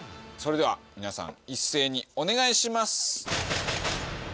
それでは皆さん一斉にお願いします！